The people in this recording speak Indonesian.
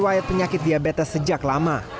dia masih wajib penyakit diabetes sejak lama